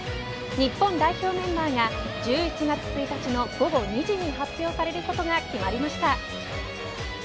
日本代表メンバーが１１月１日の午後２時に発表されることが決まりました。